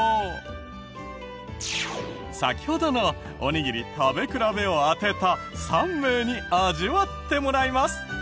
先ほどのおにぎり食べ比べを当てた３名に味わってもらいます。